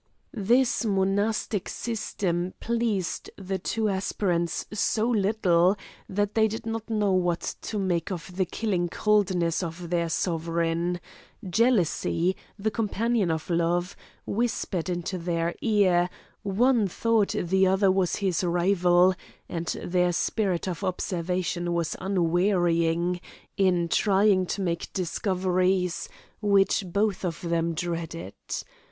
This monastic system pleased the two aspirants so little, that they did not know what to make of the killing coldness of their sovereign; jealousy, the companion of love, whispered into their ear; one thought the other was his rival, and their spirit of observation was unwearying, in trying to make discoveries, which both of them dreaded.